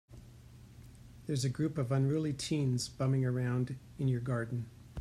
There's a group of unruly teens bumming around in your garden.